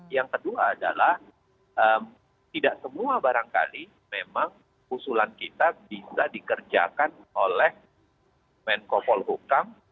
yang kedua adalah tidak semua barangkali memang usulan kita bisa dikerjakan oleh menko polhukam